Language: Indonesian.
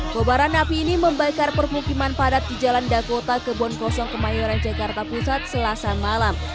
kobaran api ini membakar permukiman padat di jalan dakota kebon kosong kemayoran jakarta pusat selasa malam